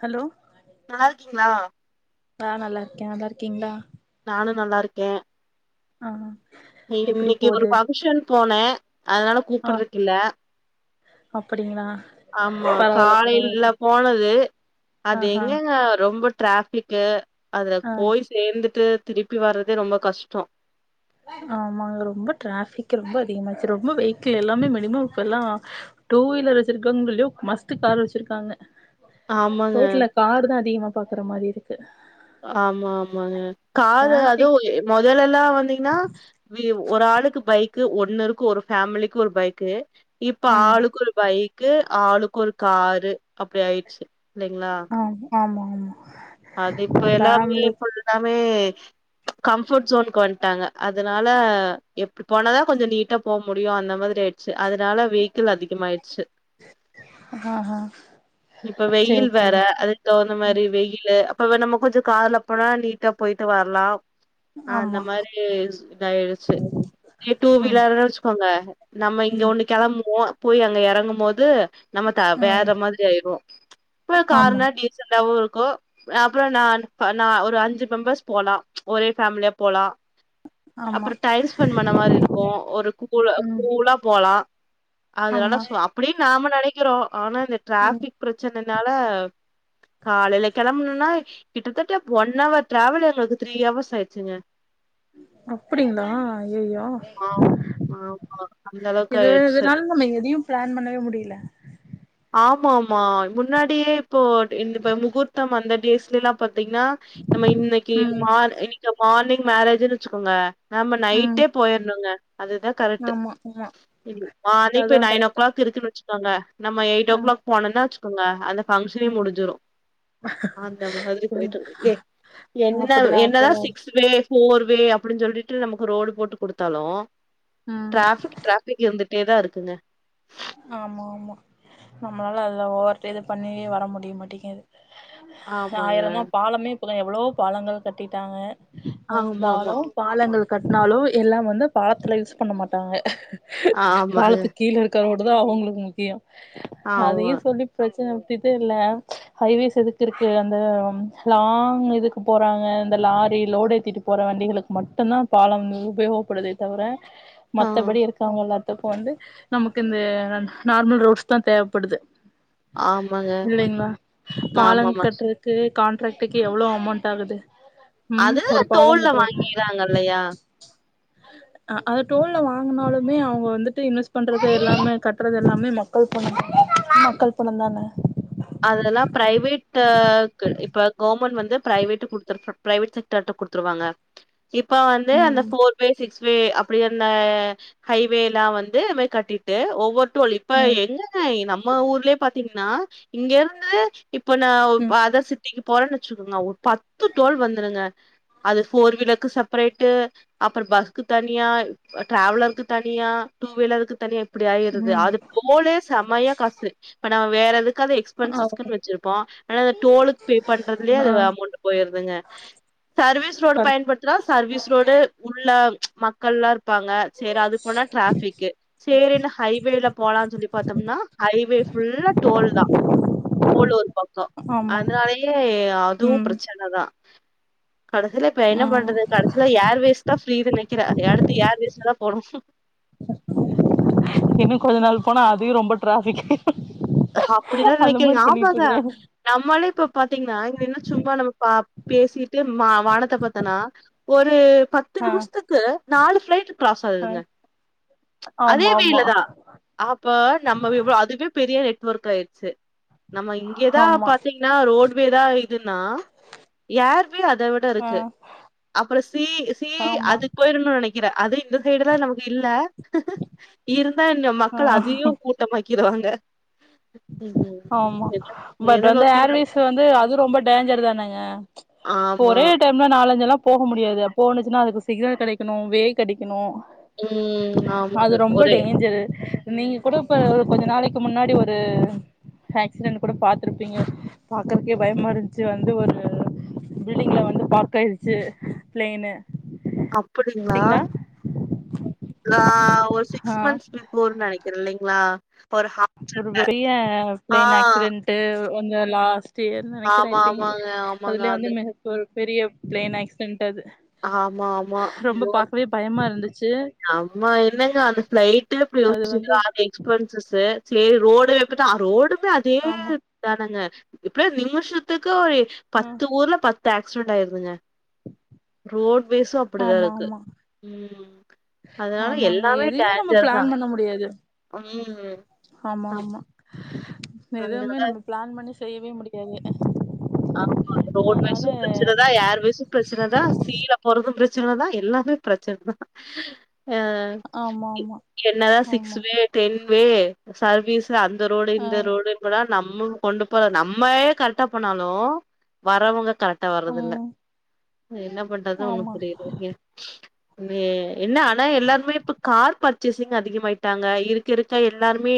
Hello நல்லா இருக்கீங்களா ஆ நல்லா இருக்கே நல்லா இருக்கீங்களா நானு நல்லா இருக்கே ஆ எப்டி இன்னக்கி ஒரு போது ஃபங்க்ஷன் போனே அதனால கூப்பிடுறதுகில்ல அப்படிங்களா ஆமா காலைல போனது அது ஆஹா எங்கங்க ரொம்ப ட்ராஃபிக்கு அதுல ஆ போய் சேர்ந்துட்டு திருப்பி வரதே ரொம்ப கஷ்டோ ஆமாங்க ரொம்ப ட்ராஃபிக் ரொம்ப அதிகமாச்சு ரொம்ப வேகில் எல்லாமே மினிமம் இப்ப எல்லா டூ வீலர் வச்சிருக்கவங்களயு மஸ்ட் கார் வச்சிருக்காங்க ஆமாங்க ரோட்டு்ல காரு தா அதிகமா பாக்ற மாரி இருக்கு ஆமா ஆமாங்க காரு டிராஃபிக் அதுவு மொதல்ல ல்லா வந்தீங்கன்னா வி ஒரு ஆளுக்கு பைக் க்கு ஒண்ணு இருக்கு ஒரு ஃபேமிலிக்கு ஒரு பைக்கு இப்ப ஆமா ஆளுக்கு ஒரு பைக் க்கு ஆளுக்கு ஒரு காரு அப்டி ஆயிடுச்சு இல்லைங்களா ஆ ஆமா ஆமா அது இப்ப ஒரு எல்லாமே ஃபேமிலி இப்ப எல்லாமே கம்ஃபுட் சோனுக்கு வந்துட்டாங்க அதனால எப்டி போனாதா கொஞ்சம் நீட்டா போக முடியும் அந்த மாதிரி ஆயிடுச்சு அதனால வேக்கீல் அதிகமாயிடுச்சு ஆஹா இப்ப வெயில் சேரி வேற சேரி அதுக்கு தகுந்த மாதிரி வெயில் அப்ப நம்ம கொஞ்சம் கார்ல போனா நீட்டா போயிட்டு வரலாம் ஹ அந்த ஆமா மாரி இதயிடுச்சு இதே டூ ம் வீலர்ன்னு வச்சுக்கோங்க நம்ம இங்க ம் ஒண்ணு கிளம்புவோ போய் அங்க இறங்கும் போது நம்ம ம் வேற மாதிரி ஆயிருவோம் இப்ப ஆமா கார்னா டீசண்டாவும் கோ அப்புறம் நா நா ஒரு அஞ்சு மெம்பர்ஸ் போலாம் ஒரே ஃபேமிலியா போலாம் ஆமா அப்புறம் டைம் ஸ்பெண்ட் பண்ண மாதிரி இருக்கும் ஒரு கூ ம் கூழா போலாம் அதனால ஆமா சோ அப்டினு நாம நெனைக்கிறோ ஆனா இந்த ம் டிராஃபிக் பிரச்சன னால காலையில கிளம்பணுனா கிட்டதட்ட ஒன் ஹவர் ட்ராவல் எங்களுக்கு த்ரீ ஹவர்ஸ் ஆயிச்சுங்க அப்டிங்களா அய்யய்யோ ஆ ஆமா அந்த அளவுக்கு இதுவே ஆயிடுச்சு இதனால நம்ம எதையோ பிளான் பண்ணவே முடியல ஆமா ஆமா முன்னாடியே இப்போ முகூர்த்தம் அந்த டேஸ்லல்லா பாத்தீங்னா நம்ம இன்னிக்கு ம் மா இப்ப மார்னிங் மேரேஜ்னு வச்சுக்கோங்க நாம ம் நைட்டே போயிர்ணுங்க அதுதா கரட்டு ஆமா ஆமா மார்னிங்கு அதா நையன்ஓ கரெக்ட் கிளாக் இருக்குனு வச் [unintelligible] நம்ம ஆமா எடய்டோகிளாக் போனோனா குங்க அந்த பங்ஷனே ம் முடிஞ்சிரோ அந்த மாதிரி போயிட்ரு ஏ என்ன அப்டிதா என்னதா அப்டிதா சிக்ஸ் பே போர்வே அப்டினு சொல்லிட்டு நமக்கு ரோடு போட்டு கொடுத்தாலு ம் ராபிக் ராபிக் இருந்து டே தா இருக்குங்க ஆமா ஆமா நம்மளால அத ஓவர்டேஷன் பண்ணி வர முடிய மாட்டேங்குது ஆமாங்க ஆயிர தா பாலமே பப்லா எவ்ளோ பாலங்கள் கட்டிட்டாங்க ஆமா ஆமா அந்தாலோ பாலங்கள் கட்னாலோ எல்லாவந்து பாலத்துல யூஸ் பண்ண மாட்டாங்க ஆமாங்க பாலத்துக்கீழ இரு கரோடு தா அவுங்களுக்கு முக்கியோ ஆமா அதையு சொல்லி பிரச் [unintelligible] இல்ல ஹைவேஸ் எதுக்கு இருக்கு அந்த லாங் இதுக்கு போறாங்க அந்த லாரி லோடு ஏத்திட்டு போற வண்டிகளுக்கு மட்டோந்தா பாலம் உபயோகப்படுதே தவிர ஆ மத்தபடி இருக்காங்கெல்லா [unintelligible] வந்து நமக்கு இந்த ந நார்மல் ரோஸ் தா தேவப்படுது ஆமாங்க இல்லைங்கா பாலங் ஆமாமா கட்றக்கு கான்ட்ராக்டுக்கு எவ்ளோ அமௌண்ட் ஆகுது ம் அது ஒரு பாலங் தோல்ல வாங்கிறாங்கில்லையா அ அது டோல்ல வாங்கினாலுமே அவங்க வந்துட்டு இன்வெஸ்ட் பண்றது எல்லாமே கட்டுறது எல்லாமே மக்கள் பணம் மக்கள் பணம் தான அதெலாம் பிரைவேட்க இப்ப கவர்மெண்ட் வந்து பிரவேட்க்குடுத்து பிரைவேட் செக்டார்ட்ட குடுத்துருவாங்க இப்ப வந்து அந்த ம் ஃபோர் வே சிக்ஸ் வே அப்பிடின்னா ஹைவேல்லா வந்ததுமே கட்டிட்டு ஒவ்வொரு ட்டோலிப்ப ம் எங்கங்க நம்ம ஊர் இப்பலே பாத்தீங்ன்னா இங்கருந்து இப்ப நா ஓ ம் பாதஷித் ட்டிக்கு போறன்னு வெச்சிக்கோங்க ஒரு பத்து டோல் வந்துருங்க அது ஃபோர் வீலருக்கு செப்பரேட்டு அப்புற பஸ்க்கு தனியா டிராவலருக்கு தனியா டூ வீலருக்கு தனியா ப்பிடியாயிருது ம் அதுக்கு மோலே செமையா காசு நா வேற எது க்காது ஆ எக்ஸ்பன்சிஸ்குனு வச்சிருப்போ டோலுகு பே பண்றதிலே அது ஆ அமௌண்ட் போயிருதுங்க சர்வீஸ் ரோடு சரி பயன்படுத்துனா சர்வீஸ் ரோடு உள்ள மக்கள்ளார் ப்பாங்க சேரி அது போனா டராபிகு சேரினு ஹைவேல போலா சொல்லி பாத்தோம்னா ஹவே ஃபுல்லா டோல் தா டோல் ஒரு பக்கோ ஆமா அதனாலயே அதுவு ம் பிரச்சனதா [inaudible] கடைசில இப்ப என்ன ம் பண்றது கடைசில யார் வேஸ்டா ஃப்ரீதனே க்கிற அத அடுத்து யேர்வேஸ்லதா போனு ம் ன் கொஞ்ச நாள் போனா அதையு ரொம்ப டிராபிக் அப்பிடிதா அந்த மாரி நினைக்கிறேங்க பண்ணிட்டு ஆமாங்க இருக்கற நம்மாலே இப்ப பாத்தீங்கனா இங்க இன்னும் சும்மா நம்ம பா பேசிட்டு மா வானத்த பாத்தோன்னா ஒரு பத்து ஆ நிம்ஷத்துக்கு நாலு ஃப்ளைட்டு கிராஸ் ஆ ஆகுதுங்க அதே ஆமா வேல ஆமா தான் அப்ப நம்ம எவ்வளவு அதுவே பெரிய நெட்டு வொர்காயிடுச்சி நம்ம இங்கதான் ஆமா பாத்தீங்ன்னா ரோட்வேதான் இதுன்னா ஏர்வே அத விட ஆ இருக்கு அப்புறம் சி சி ஆமா அதுக்கு போயிட்றனு நினைக்க இத அதை இந்த சைடு தான் நமக்கு இல்ல இருந்தா ஆ மக்கள் அதையும் கூட்டமாக்கி வித்துடுவாங்க ஆமா பட் எத வந்து நோக்கி நம் ஏர்வேஸ் வந்து அது ரொம்ப டேஞ்சர் தானேங்க இப்ப ஆமா ஒரே டைம்ல நாலஞ்சுலாம் போக முடியாது போணுச்சுனா அதுக்கு சிக்னல் கெடைக்கணும் வே கெடைக்கணும் ஹும் ஆமாங்க ஒரே நீங்கூட இப்ப ஒரு கொஞ்ச நாளைகு முன்னாடி ஒரு ஆக்சிடென்ட் கூட பாத்திருப்பீங்க பாக்றதுக்கே பயமா இருந்துச்சி வந்து ஒரு பில்டிங்ல வந்து பார்க் ஆயிடுச்சி ப்ளெய்னூ அப்படிங்களா ரா ஒரு சிக்ஸ் ஆ மந் போர்னு நெனகிறே இல்லங்ளா ஒரு பெரிய ஆ பிளேன் ஆக்சிரென்ட் ஒங்க லாஸ்ட் தேர்ன் நெனகிறே ஆமா தீங் ஆமாங்க ஆமாங்க அதுலே வந்து அது மெழுகு வர் பெரிய பிளேன ஆக்ஸ்ரெட் ஆமா ஆமா ரொம்ப பாக்கவே பயமா இருந்துசி ஆம்மா இருத எங்க அந்த பிளைட்ல புல்ல அது வச்கா வந்து ஆளு எக்ஸ்பென்சஸ் எ சிலே ரோடு அப்டிதா அது ரோடு இது அதே ஆமா தானங்க இப்றே நிம்ஷத்க் கோழி ஆ பத்து ஊர்ல பத் த்த ஆக்ஸ்ரண்டாய்ர்ங்க ரோட்வேஸ் அப்டிதா ஆமா இருக்கு ஆமா ம் அதனால ஆமாங்க எல்லாமே எதையுமே நம்ம டேஞ்சர் தா பிளான் பண்ண முடியா ம் ஆமா ஆமா எதுவுமே அதனால நம்ம பிளான் பண்ணி செய்யவே முடியாது ஆமா அதனால ரோட்வேஸ் பிரசனதா ஏர்வேஸ் பிரசனதா சீல போறது பிரசனதா எல்லாமே பிரச்சன ஆஹ் ஆமா ஆமா என்னதான் சிக்ஸ் ஆமா way ten way sir piece த அந்த ரோடு ஆ இந்த ரோடு இப்பதா நம்ம கொண்டு போற நம்மயே கரெட்டா போண் நாலு வரங்க கரெக்டா வர்றது இல்ல ம் என்ன பண்றது ஒண்ணு ஆமா புரியல மே என்ன அன எல்லாருமே இப்ப கார் பர்ச்சேசிங் அதிகமாயிட்டாங்க இருக் இருக்க எல்லாருமே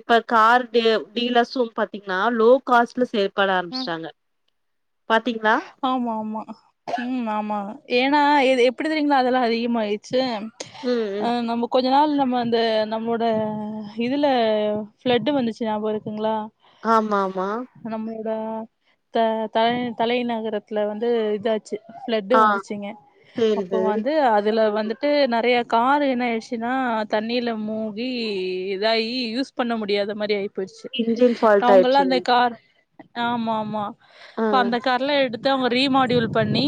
இப்ப கார் தேவ் டீலஸ்ம் பாத்தீங்னா லோ காஸ்ட்ல செயற்பட ஆர ம் சல ஆமா ஆமா உம் ஆமா ஏன்ன இது எப்டி தெரியுங்ள அதெல்லா அதிகமாயிர்சி ம் ம் ஆஹ் நம்ம கொச் கொஞ்ச நாள் நம்ம வந்து நம்மோட இதில ப்ளட்டு வந்துச்சி ஞாபகஇருக்குங்களா ஆமா ஆமா த தலை தலின ட்ல வந்து இதாச் பிளட் ஆ வந்துச்சுங்க சேரி அப்போ சேரி வந்து அதுல வந்து ட்டு நிறைய காரு என்ன ஆயிடுச்சுன்னா தண்ணீல மூகி இதாயி யூஸ் பண்ண முடியாத மாதிரி ஆய போயிருச்சு இன்ஜின் ஃபால்ட் அவங்கல்லாம் ஆயிடுச்சுங்க அந்த கார் ஆமா ஆமா ஆ பந்தக்கார்லாம் எடு த்து அவங்க ரீமாடியூல் பண்ணி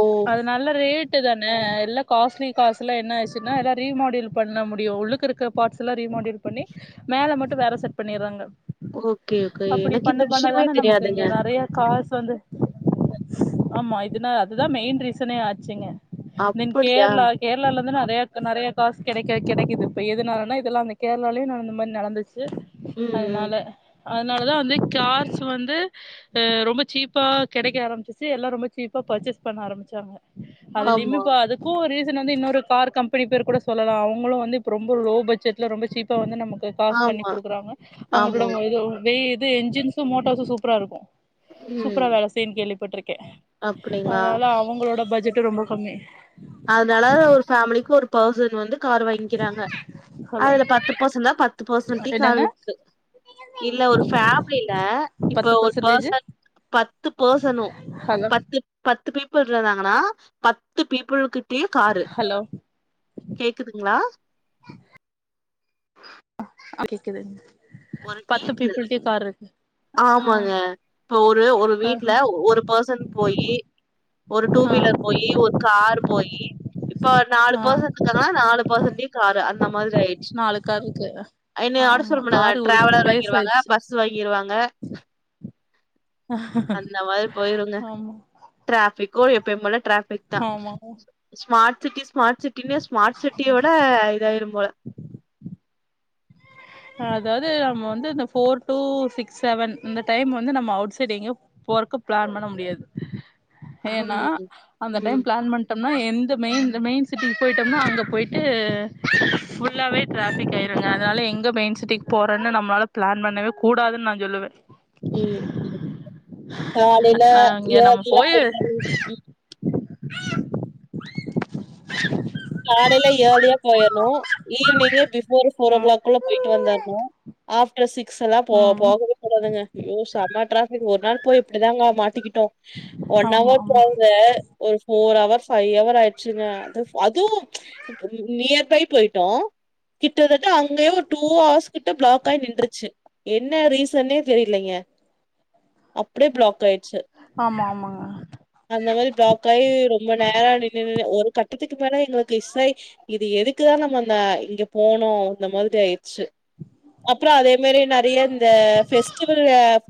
ஓ அது நல்ல ரேட் தானே எல்லாம் காஸ்ட்லி கார்ஸ் லா என்ன ஆச்சுன்னா எல்லாம் ரீமாடியல் பண்ண முடியும் உள்ளுக்க இருக்க பார்ட்ஸ் எல்லாம் ரீமாடியல் பண்ணி மேல மட்டும் வேற செட் பண்ணிடுறாங்க ஓகே ஓகே எனக்கு இந்த விஷயமே தெரியாதுங்க சொ வந்து ஆமா இதுனா அதுதான் மெயின் ரீசனே ஆச்சுங்க நெங் அப்படியா? கேரளா கேரளால நிறைய நிறைய காசு கிடைக்க கிடைக்குது இப்ப எதுனாலன்னா இதெல்லாம் அந்த கேரளாலே நா இந்த மாதிரி நடந்துச்சு ம், ம். அதனால அதனாலதான் வந்து கார்ஸ் வந்து அஹ ரொம்ப சீப்பா கிடைக்க ஆரம்பிச்சு எல்லாம் ரொம்ப சீப்பா பர்ச்சேஸ் பண்ண ஆரம்பிச்சாங்க ஆமா, அதுலயுமேப்ப அதுக்கும் ஒரு வந்து இன்னொரு கார் கம்பெனி பேர் கூட சொல்லலாம் அவங்களும் வந்து ரொம்ப லோ பட்ஜெட்ல ரொம்ப சீப்பா வந்து நமக்கு காசு பண்ணி ஆமா, கொடுக்குறாங்க அவங்களோட ஆமா. எதும் வே இந்த என்ஜின்ஸும் மோட்டார்ஸும் சூப்பரா இருக்கு சூப்பரா ம். வேல கேள்விப்பற்றுகே அப்படிங்களா? அதனால அவுங்களோட பட்ஜெட் ரொம்ப கம்மி அதனால ஒரு ஃபேமிலிக்கு ஒரு பர்சன் வந்து கார் வாங்கிறாங்க ஹலோ அதுல பத்து பர்சன் தான் பத்து பர்சன்டே கார் என்னங்க இருக்கு இல்ல ஒரு ஃபேமிலில இப்ப பத்து ஒரு பர்சன்டேஜு பர்சன் பத்து பர்சனு ஹலோ பத்து பத்து பே [unintelligible] ங்கன்னா பத்து பீ புல்கிட் கேக்காரு ஹலோ கேக்குதுங்ளா அடிக்குது ஒரு வீட்ல ஆ ஆமாங்க இப்ப ஒரு ஒரு வீட்ல ஆஹ ஒரு பர்சன் போயி ஒரு டூ ஆ வீலர் போயி ஒரு கார் போயி இப்ப நாலு ஆ பர்சன் இருக்காங்னா நாலு பர்சன் மே காரு அந்த ம் மாதிரி ஆயிடுச்சு நாலு கார் இருக்கு என்னய ஆட சொல்ல ஆமா மாட்டாங்க காரு ஒரு டிராவலர் ரேஸ் வாங்கிருவாங்க ஆயிடுச்சு பஸு வாங்கிருவாங்க அந்த மாரி போயிருங்க ஆமா டிராபிக்கு எப்பயு போல டிராபிக் தா ஆமா ஸ்மார்ட் சிட்டி ஸ்மாட் சிட்டி இன ஸ்மார்ட் சிட்டிய விட இதாயிரு போல அதாவது நம்ம வந்து இந்த போர் டூ சிக்ஸ் செவன் இந்த டைம் வந்து நம்ம அவுட் சைடு் எங்கேயு போறது க்கு பிளான் பண்ண முடியாது ஏனா ம், அந்த டைம் ம், பிளான் பண்ட எந்த மெயின் மெயின் சிட்டிகு போயிட்டோம்னா அங்க போய்ட்டு ஃபுல்லாவே டிராபிக் ஆய்டுங்க அதனால எங்க மெயின் சிட்டி போறேன்னு நம்மளால பிளான் பண்ணவே கூடாதுன்னு நா சொல்லுவே உம் காலேல நா இங்க நம்ம இயர்லியா போய் போய்ட்டோ [unintelligible] காலைல ஏர்லியா போயிரணு ஈவினிங்கு பிபோர் ஃபோர் ஓ ம் கிளாக்குள்ள போயிட்டு வந்தரணு ஆஃப்டர் சிக்ஸ் எல்லா போ ம் போகவே கூடாதுங்க அய்யோ செம ட்ராபிக் ஒரு நாள் போய் இப்டிதாங்க மாட்டிக்கிட்டு ஒன் ஆமா அவர் ஆமா போங்க ஒரு ஃபோர் அவர் ஃபை அவர் ஆயிடு அங்க அது [unintelligible] அதுவு நியர் பை போயிட்டோ கிட்டத்தட்ட அங்கேயே ஒரு டூ ஹவர்ஸ் கிட்ட பிளாக் ஆகி நின்றுருச்சு என்ன ரீசன்னே தெரியலங்க அப்டியே பிளாக் ஆயிடுச்சு ஆமா ஆமா அந்த மாரி பிளாக் ஆகி ரொம்ப நேரம் நின்நின்னு ஒரு கட்டு இதுக்கு மேல எங்களுக்கு இசை இது எதுக்கு தா நம்ம இங்க போனோ இந்த மாரி அய் டுச்சு அப்றோ அதே மாரி நெறைய இந்த பெஸ்டிவல்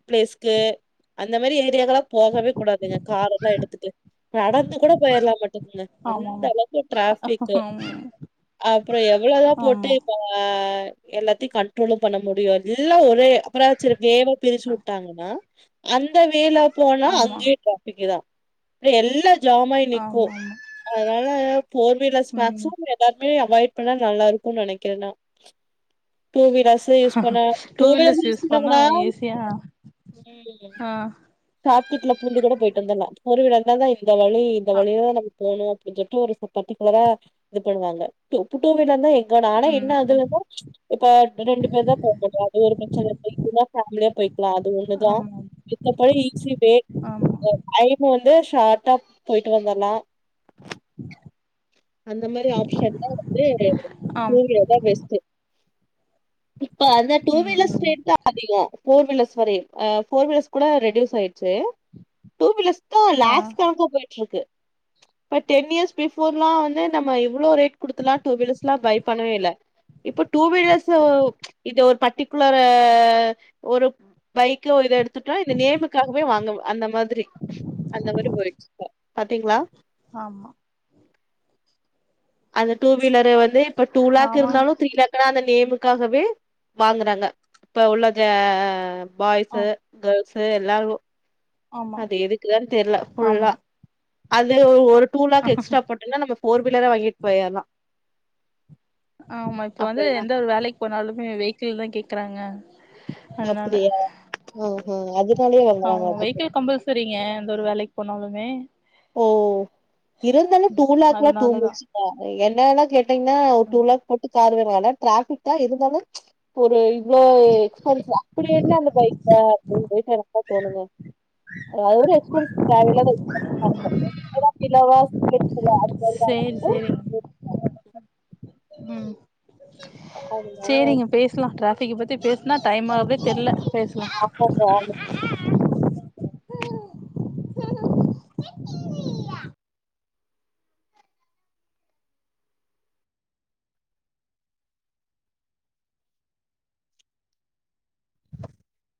பிளேஸ்க்கு அந்த மாரி ஏரியாக்கலாம் போகவே கூடாதுங்க காரு எடுத்துட்டு நடந்து கூட போயிடலா பாத்துடுங்க ஆமா அந்த ஆமா அளவுக்கு டிராபிக்கு அப்றோ எவ்ளோ தா போட்டு ஆமா அ எல்லாத்தையும் கண்ட்ரோலு பண்ண முடியாது எல்லா ஒரு அப்றோ ஆச்சு கேமுன் பிரிச்சு வுட்டாங்கன்னா அந்த வேளா போனா ஆமா அங்கே பாத்துக்கலா எல்லா ஜாம் ஆகி நிக்கும் ஆமா ஆமா அதனால ஃபோர் வீலர்ஸ் ம் ஸ்பேர்ஸ்சும் எல்லார்க் அவாய்ட் பண்ணா நல்லா இருக்கும் நெனைக்கிறேன் நா டூ வீலர்ஸ் யூஸ் பண்ணா டூ வீலர்ஸ் யூஸ் பண்ணுனா ஆ ஷார்ட் கட்ல புகுந்து கூட போயிட்டு வந்துடலா ஃபோர் வீலர் இருந்தாதை இந்த வழி இந்த வழி தா நமக் போனும் அப்டின் சொல்லிட்டு ஒரு பர்ட்டிகுலரா இது பண்ணுவாங்க டூ டூ வீலர்னா எங் கனாலு ஆனா என்ன ம் ம் அதுலனா இப்ப ரெண்டு பேரு தா போக முடியும் அது ஒரு பிரச்சன இதுனா ஃபேமிலியா அது ஒண்ணு தா ஆமா மத்தபடி ஈஸி வே ஆமா அ ஐ வந்து ஷாட்டா போயிட்டு வந்துரலாம் அந்த மாரி ஆப்ஷன் தா வந்து டூ ஆமா வீலர் தா பெஸ்ட்டு இப்ப அந்த டூ ம் வீலர்ஸ் ம் ரேட் தா அதிகம் போர் வீலர்ஸ் வரி போர் வீலர்ஸ் கூட ரெடியூஸ் ஆயிடுச்சு டூ வீலர்ஸ் த்தோ ஆ லேக்ஸ் கணக்க போயிட்டு இருக்கு பட் டென் இயர்ஸ் பிஃபோர் எல்லா வந்து இவ்ளே ரேட் குடுத்துலா டூ வீலர்ஸ் பை பண்ணவே இல்ல இப்ப டூ வீலர்ஸ் இது ஒரு பர்டிகுலர்ல ஒரு பைக் எடுத் து இந்த நேமுக்காகவே வாங்க அந்த மாதிரி அந்த மாதிரி போயிடுச்சு இப்ப பாத்தீங்களா ஆமா அந்த டூ வீலர் வந்து இப்ப டூ லாக் ஆமா இருந்தாலு த்ரீ லாக் அந்த நேமுக்காகவே வாங்குறாங்க இப்ப உள்ள த ஆ பாய்ஸு கேர்ள்ஸ் [unintelligible] ஆமா அது எதுக்குதா தெர்ல ஆமா ஃபுல்லா அது ஒரு டூ லேக் எக்ஸ்ட்ரா போட்டோம்னா நம்ம போர் வீலரா வாங்கிட்டு போயலா ஆமா இப்ப வந்து அப்படின்னா எந்த ஒரு வேலைக்கு போனாலுமே வெஹிக்கிள்தா கே க்கராங்கா அதனால அப்டியா ஆஹா அதனாலயே ஆமா வாங்குறாங்களாட்டுக்கு வெஹிக்கில் கம்பல்சரிங்க அந்த ஒரு வேலைக் போனாலுமே ஓ இருந்தாலும் டூலேக்லா அதனாலதா டூமச்சுல என் [unintelligible] இல்ல ஒரு டூ லக் போட்டு காரு எ இதல டிராபிக் தா இருந்தாலு ஒரு எ போ எக்ஸ்பென்சிவ் அப்படி என்ன அந்த பைக் அ [unintelligible] தோணுங்க அது ஒரு எக்ஸ்பென்ஸ் தேவையில்லாத [unintelligible] சேரி சேரிங் ம் உம் சரிங்க பேசலாம் ட அப்பைக்கு பத்தி பேசுனா டைமாகவே தெர்ல பேஸ்ல